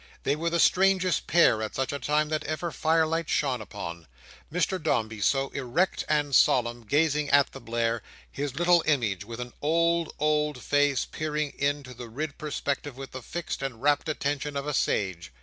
They were the strangest pair at such a time that ever firelight shone upon. Mr Dombey so erect and solemn, gazing at the glare; his little image, with an old, old face, peering into the red perspective with the fixed and rapt attention of a sage.